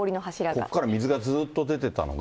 ここから水がずっと出てたのが。